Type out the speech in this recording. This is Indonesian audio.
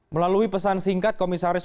melalui pesan singkat komisaris